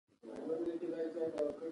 هلته هېڅکله د خلکو ژوند ښه شوی نه دی